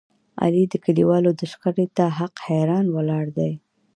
علي د کلیوالو شخړې ته حق حیران ولاړ دی.